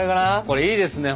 これいいですね。